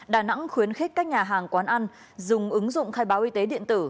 đà nẵng khuyến khích các nhà hàng quán ăn dùng ứng dụng khai báo y tế điện tử